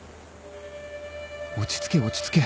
落ち着け落ち着け。